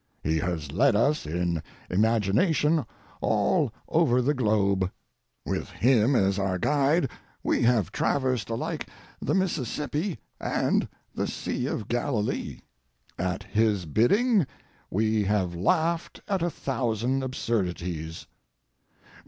He has led us in imagination all over the globe. With him as our guide we have traversed alike the Mississippi and the Sea of Galilee. At his bidding we have laughed at a thousand absurdities.